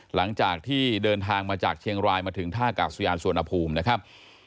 หลังจากที่เดินทางมาจากเชียงรายมาถึงท่ากาศยานสวนภูมินะครับ